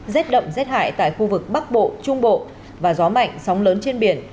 rét đậm rét hại tại khu vực bắc bộ trung bộ và gió mạnh sóng lớn trên biển